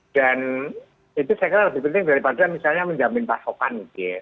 dan itu saya kira lebih penting daripada misalnya menjamin pasokan